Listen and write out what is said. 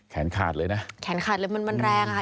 แขนขาดเลยนะแขนขาดเลยมันแรงค่ะ